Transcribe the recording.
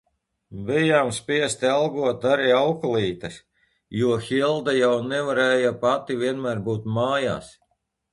Bijām spiesti algot arī auklītes, jo Hilda jau nevarēja pati vienmēr būt mājās.